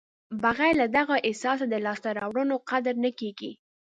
بغیر له دغه احساسه د لاسته راوړنو قدر نه کېږي.